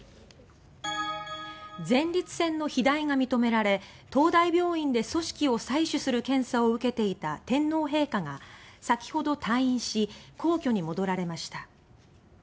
前立腺の肥大が認められ東大病院で組織を採取する検査を受けていた天皇陛下が先ほど退院し皇居に戻られました。